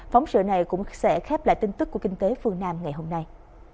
phóng sự này cũng sẽ khép lại tin tức của kinh tế phương nam ngày hôm nay